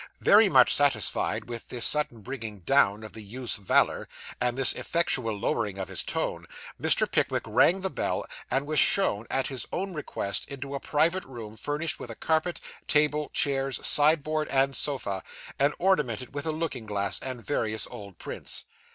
Very much satisfied with this sudden bringing down of the youth's valour, and this effectual lowering of his tone, Mr. Pickwick rang the bell, and was shown, at his own request, into a private room furnished with a carpet, table, chairs, sideboard and sofa, and ornamented with a looking glass, and various old prints.